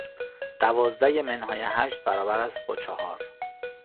دوازده منهای هشت برابر است با چهار.